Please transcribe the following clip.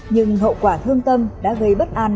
nhưng hậu quả thương tâm đã gây bất an